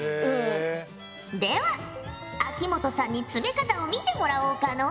では秋本さんに詰め方を見てもらおうかの。